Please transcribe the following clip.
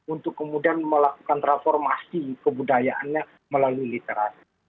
untuk kemudian melakukan transformasi kebudayaannya melalui literasi